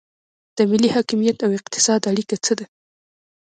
د ملي حاکمیت او اقتصاد اړیکه څه ده؟